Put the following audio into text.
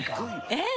えっ？